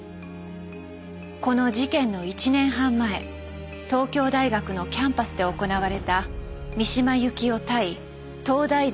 この事件の１年半前東京大学のキャンパスで行われた三島由紀夫対東大